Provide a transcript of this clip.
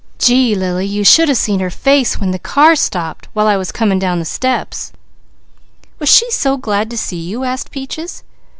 Gee, Lily, you should have seen her face when the car stopped, while I was coming down the steps." "Was she so glad to see you?" asked Peaches.